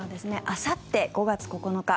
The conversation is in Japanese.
あさって５月９日